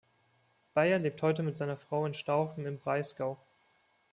Bayer lebt heute mit seiner Frau in Staufen im Breisgau.